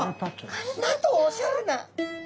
なんとおしゃれな。